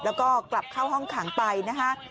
แล้วก็กลับเข้าห้องขังไปนะคะ